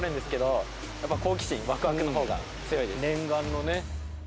念願のね。